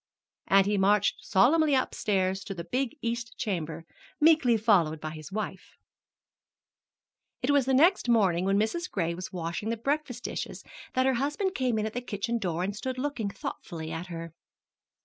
And he marched solemnly upstairs to the big east chamber, meekly followed by his wife. It was the next morning when Mrs. Gray was washing the breakfast dishes that her husband came in at the kitchen door and stood looking thoughtfully at her.